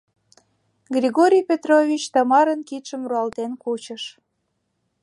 Григорий Петрович Тамаран кидшым руалтен кучыш.